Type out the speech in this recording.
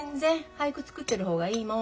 俳句作ってる方がいいもん。